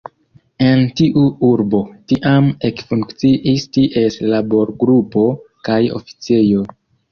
En tiu urbo tiam ekfunkciis ties laborgrupo kaj oficejo.